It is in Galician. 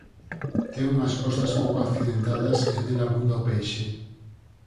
Ten unhas costas pouco accidentadas e nel abunda o peixe.